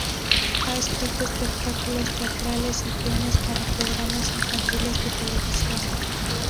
Ha escrito espectáculos teatrales y guiones para programas infantiles de televisión.